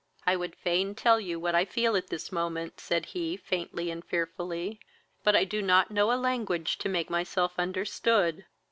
"I would fain tell you what I feel at this moment, (said he, faintly and fearfully;) but I do not know a language to make myself understood.